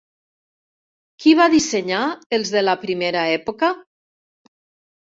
Qui va dissenyar els de la primera època?